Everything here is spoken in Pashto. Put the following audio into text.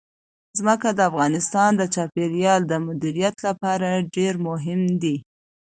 ځمکه د افغانستان د چاپیریال د مدیریت لپاره ډېر مهم دي.